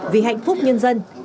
vì hạnh phúc nhân dân